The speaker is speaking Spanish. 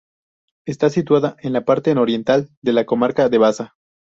Está situada en la parte nororiental de la comarca de Baza.